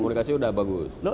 komunikasi sudah bagus